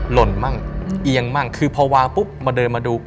หล่นมั่งเอียงมั่งคือพอวางปุ๊บมาเดินมาดู